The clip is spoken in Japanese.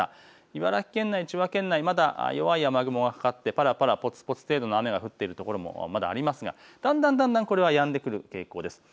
茨城県内、千葉県内はまだ弱い雨が降ってぱらぱらぽつぽつ程度のところ、降っているところもありますがだんだんこれがやんでくる傾向です。